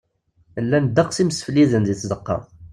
Llan ddeqs imsefliden deg tzeqqa.